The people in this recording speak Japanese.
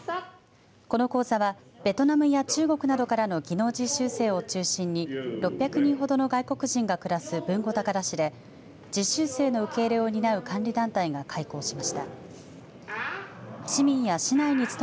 この講座はベトナムや中国などからの技能実習生を中心に６００人ほどの外国人が暮らす豊後高田市で実習生の受け入れを担う管理団体が解放しました。